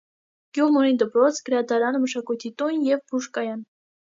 Գյուղն ունի դպրոց, գրադարան, մշակույթի տուն և բուժկայան։